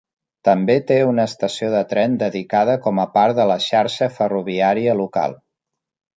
També té una estació de tren dedicada com a part de la xarxa ferroviària local.